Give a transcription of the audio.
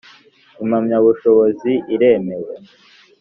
impamyabushobozi iremewe